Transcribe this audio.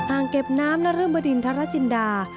อ่างเก็บน้ำนรึบดินทรจินดา